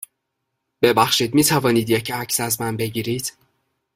ببخشید، می توانید یه عکس از من بگیرید؟